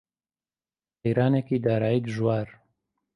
قەیرانێکی دارایی دژوار